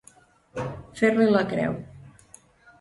Fer-li la creu.